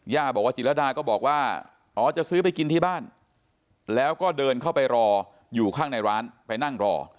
บอกว่าจิรดาก็บอกว่าอ๋อจะซื้อไปกินที่บ้านแล้วก็เดินเข้าไปรออยู่ข้างในร้านไปนั่งรอ